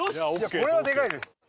これはでかいです。